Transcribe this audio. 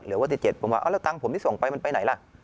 เหลือว่าสิบเจ็ดผมว่าอ้าวแล้วตังค์ผมที่ส่งไปมันไปไหนล่ะ